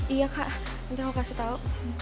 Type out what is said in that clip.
iya kak nanti kamu kasih tau